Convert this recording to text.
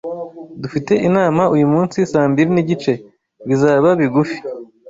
Dufite inama uyumunsi saa mbiri nigice. Bizaba bigufi.